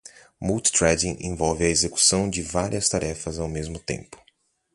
Multithreading envolve a execução de várias tarefas ao mesmo tempo.